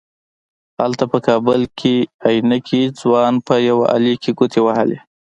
هلته په کابل کې عينکي ځوان په يوې آلې کې ګوتې وهلې.